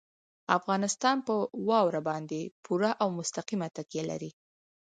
افغانستان په واوره باندې پوره او مستقیمه تکیه لري.